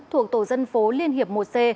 thuộc tổ dân phố liên hiệp một c